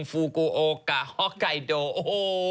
ฟูกูโอกะฮอกไกโดโอ้โห